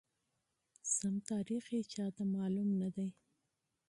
سم تاریخ یې چاته معلوم ندی،